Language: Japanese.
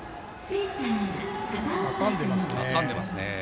挟んでいますね。